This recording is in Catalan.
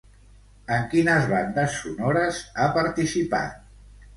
En quines bandes sonores ha participat?